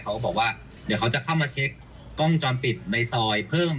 เขาบอกว่าเดี๋ยวเขาจะเข้ามาเช็คกล้องวงจรปิดในซอยเพิ่ม